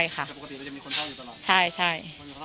มีคนเข้าก็เลยโดนเลย